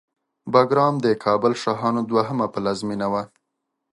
بګرام د کابل شاهانو دوهمه پلازمېنه وه